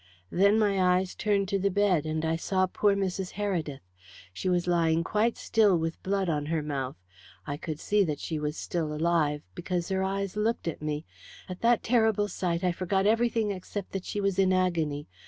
Then my eyes turned to the bed, and I saw poor Mrs. Heredith. She was lying quite still with blood on her mouth. I could see that she was still alive, because her eyes looked at me. At that terrible sight I forgot everything except that she was in agony.